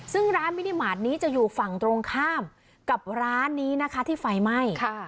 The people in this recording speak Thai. ซึ่งร้านมินิมาตรนี้จะอยู่ฝั่งตรงข้ามกับร้านนี้นะคะที่ไฟไหม้